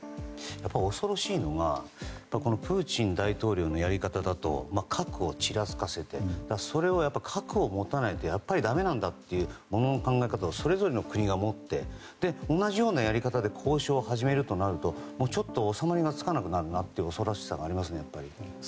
恐ろしいのがプーチン大統領のやり方だと核をちらつかせてやっぱり、核を持たないとやっぱりだめなんだというものの考え方をそれぞれの国が持って同じようなやり方で交渉を始めるとなると収まりがつかなくなるなという恐ろしさがありますね。